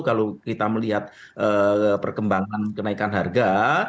kalau kita melihat perkembangan kenaikan harga